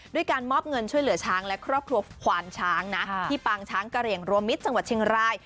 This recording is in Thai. การมอบเงินช่วยเหลือช้างและครอบครัวขวานช้างนะที่ปางช้างกระเหลี่ยงรวมมิตรจังหวัดเชียงราย